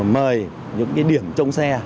mời những điểm trông xe